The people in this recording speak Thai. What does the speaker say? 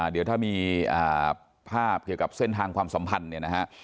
เดี๋ยวถ้ามีภาพเกี่ยวกับเส้นทางความสัมพันธ์เนี่ยนะฮะ